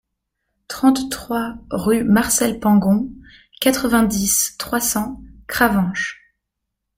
trente-trois rue Marcel Pangon, quatre-vingt-dix, trois cents, Cravanche